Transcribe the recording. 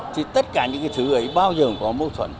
thì tất cả những thứ ấy bao giờ cũng có mâu thuẫn